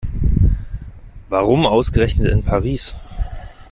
Warum ausgerechnet in Paris?